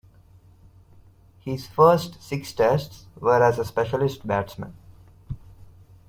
His first six Tests were as a specialist batsman.